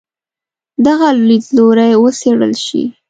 دغه لیدلوری وڅېړل شي.